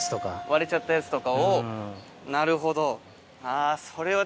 割れちゃったやつとかをなるほど。